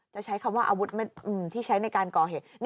ใช้คำว่าอาวุธที่ใช้ในการก่อเหตุ